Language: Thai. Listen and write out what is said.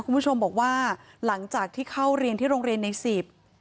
คุณผู้ชมบอกว่าหลังจากที่เข้าเรียนที่โรงเรียนในสิบ